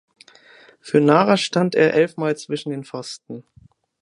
Für Nara stand er elfmal zwischen den Pfosten.